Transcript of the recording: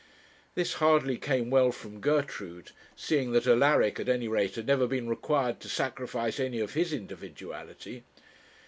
This hardly came well from Gertrude, seeing that Alaric at any rate had never been required to sacrifice any of his individuality.